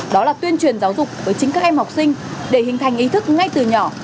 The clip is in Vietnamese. đó là tuyên truyền giáo dục với chính các em học sinh để hình thành ý thức ngay từ nhỏ